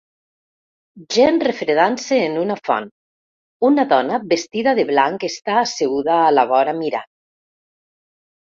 Gent refredant-se en una font, una dona vestida de blanc està asseguda a la vora mirant